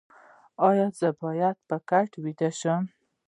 ایا زه باید په کټ ویده شم؟